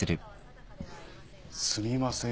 すみません